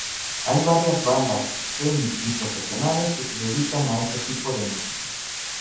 Hay varias bandas semi y profesionales que se dedican a este tipo de música.